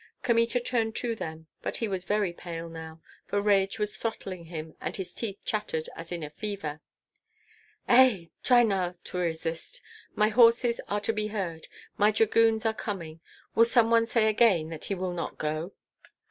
Kmita turned to them; but he was very pale now, for rage was throttling him, and his teeth chattered as in a fever. "Ei! Try now to resist! My horses are to be heard, my dragoons are coming. Will some one say again that he will not go?"